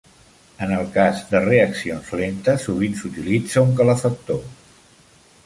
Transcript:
En el cas de reaccions lentes, sovint s'utilitza un calefactor.